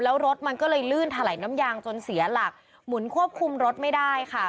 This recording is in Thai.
แล้วรถมันก็เลยลื่นถลายน้ำยางจนเสียหลักหมุนควบคุมรถไม่ได้ค่ะ